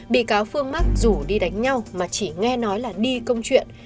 bị cáo phương mắc rủ đi đánh nhau mà chỉ nghe nói là đi câu chuyện